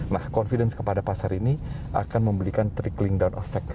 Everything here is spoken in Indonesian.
nah confidence kepada pasar ini akan memberikan trickling down effect